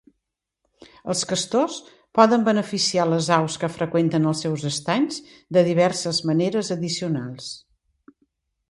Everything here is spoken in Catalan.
Els castors poden beneficiar les aus que freqüenten els seus estanys de diverses maneres addicionals.